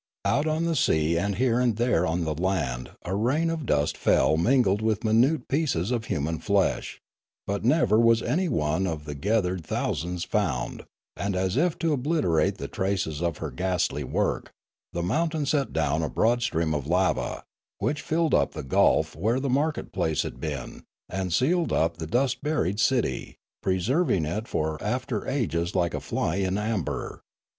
Out on the sea and here and there on the land a rain of dust fell mingled with minute pieces of human flesh ; but never was any one of the gathered thousands found ; and as if to obliterate the traces of her ghastly work, the mountain sent down a broad stream of lava, which filled up the gulf where the market place had been, and sealed up the dust buried city, preserving it for after ages like a fly in amber.